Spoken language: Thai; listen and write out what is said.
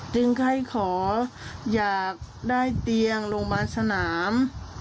ใครขออยากได้เตียงโรงพยาบาลสนาม